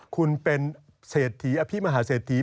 คุณเป็นเศรษฐีอภิมหาเศรษฐี